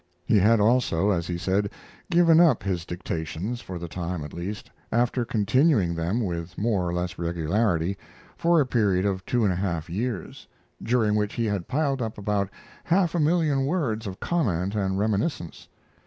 He had also, as he said, given up his dictations for the time, at least, after continuing them, with more or less regularity, for a period of two and a half years, during which he had piled up about half a million words of comment and reminiscence.